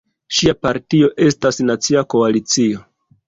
Ŝia partio estas Nacia Koalicio.